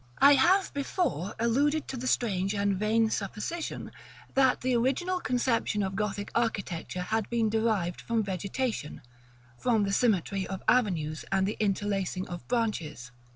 § LXX. I have before alluded to the strange and vain supposition, that the original conception of Gothic architecture had been derived from vegetation, from the symmetry of avenues, and the interlacing of branches.